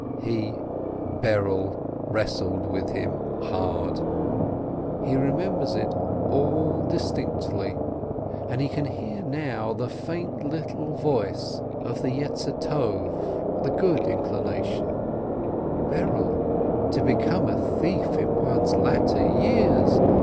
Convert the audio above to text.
He, Berel, wrestled with him hard. 194 BOSENTHAL He remembers it all distinctly, and he can hear now the faint little voice of the Good Inclination: "Berel, to become a thief in one's latter years!